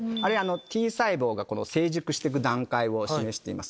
Ｔ細胞が成熟していく段階を示しています。